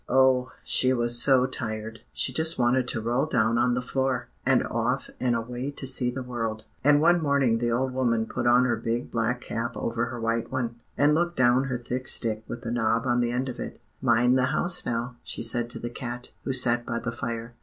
Oh! she was so tired, she just wanted to roll down on the floor, and off and away to see the world. And one morning the old woman put on her big black cap over her white one, and took down her thick stick with a knob on the end of it. "'Mind the house now,' she said to the cat, who sat by the fire.